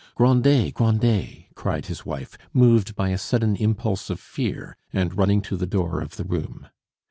"Grandet! Grandet!" cried his wife, moved by a sudden impulse of fear, and running to the door of the room.